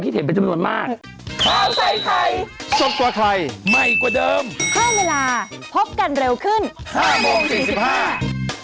ก็มีเจ้าเด็กเขามันแสดงความคิดเห็นเป็นจำนวนมาก